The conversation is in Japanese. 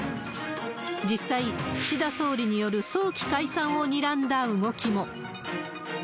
実際、岸田総理による早期解散をにらんだ動きも。